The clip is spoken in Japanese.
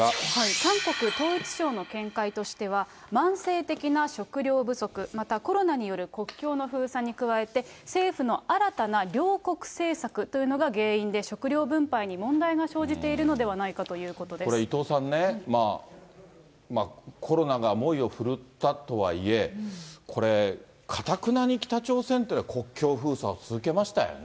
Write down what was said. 韓国統一省の見解としては、慢性的な食糧不足、またコロナによる国境の封鎖に加えて、政府の新たな糧穀政策というのが原因で、食糧分配に問題が生じてこれ、伊藤さんね、コロナが猛威を振るったとはいえ、これ、頑なに北朝鮮っていうのは国境封鎖続けましたよね。